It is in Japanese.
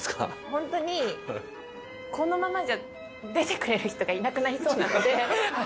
ホントにこのままじゃ出てくれる人がいなくなりそうなので。